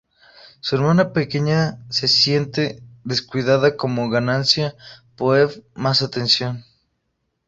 Su hermana pequeña se siente descuidada como ganancias Phoebe más atención.